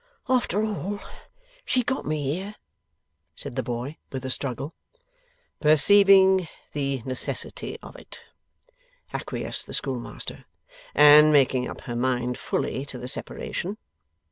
'After all, she got me here,' said the boy, with a struggle. 'Perceiving the necessity of it,' acquiesced the schoolmaster, 'and making up her mind fully to the separation.